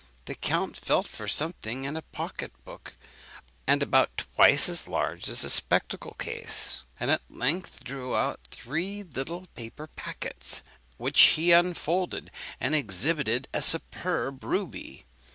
The count felt for something in a pocket book about twice as large as a spectacle case, and at length drew out two or three little paper packets, which he unfolded, and exhibited a superb ruby.